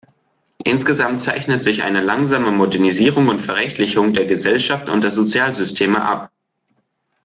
Insgesamt zeichnet sich eine langsame Modernisierung und Verrechtlichung der Gesellschaft und der Sozialsysteme ab.